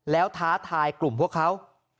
แล้วท้าทายกลุ่มพวกเขา